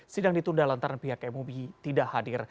sidang ditunda lantaran pihak mui tidak hadir